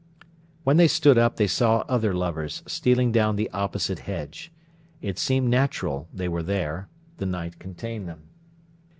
When they stood up they saw other lovers stealing down the opposite hedge. It seemed natural they were there; the night contained them.